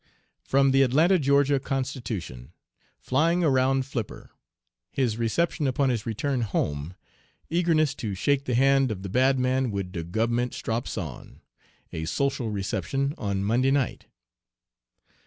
(From the Atlanta (Ga.) Constitution.) FLYING AROUND FLIPPER. HIS RECEPTION UPON HIS RETURN HOME EAGERNESS TO SHAKE THE HAND OF THE "BAD MAN WID DE GUB'MENT STROPS ON!" A SOCIAL RECEPTION ON MONDAY NIGHT.